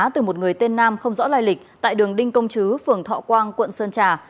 từ một người tên nam không rõ lai lịch tại đường đinh công chứ phường thọ quang quận sơn trà